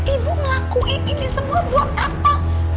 ibu ngelakuin ini semua buat apa